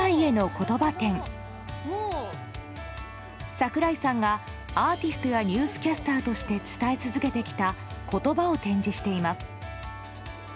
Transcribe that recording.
櫻井さんが、アーティストやニュースキャスターとして伝え続けてきた言葉を展示しています。